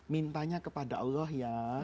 mintanya kepada allah ya